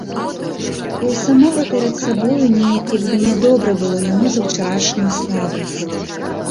І ў самога перад сабою нейк як бы нядобра было яму за ўчарашнюю слабасць.